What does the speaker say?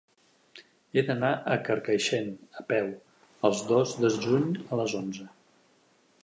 He d'anar a Carcaixent a peu el dos de juny a les onze.